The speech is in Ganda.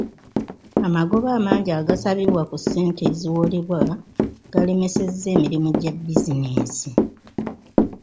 Amagoba amangi agasabibwa ku ssente eziwolebwa galemesezza emirimu gya bizinensi.